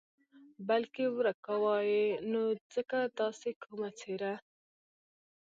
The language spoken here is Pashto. بلکې ورک کاوه یې نو ځکه داسې کومه څېره.